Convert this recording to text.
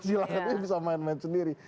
silahkan dia bisa main main sendiri